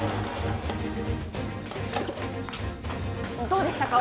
どうでしたか？